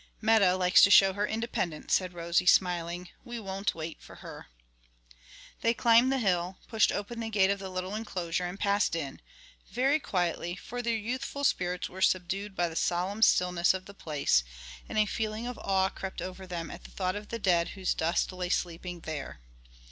"Meta likes to show her independence," said Rosie, smiling; "we won't wait for her." They climbed the hill, pushed open the gate of the little enclosure and passed in; very quietly, for their youthful spirits were subdued by the solemn stillness of the place, and a feeling of awe crept over them at thought of the dead whose dust lay sleeping there.